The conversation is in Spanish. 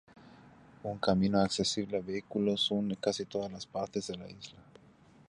Un camino accesible a vehículos une casi todas las partes de la isla.